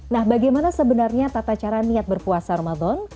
nah bagaimana sebenarnya tata cara niat berpuasa ramadan